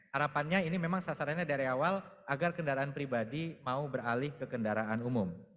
harapannya ini memang sasarannya dari awal agar kendaraan pribadi mau beralih ke kendaraan umum